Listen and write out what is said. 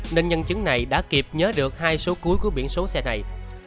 nên nhân chứng này đã kịp nhớ được hai số cuối của biển số xe này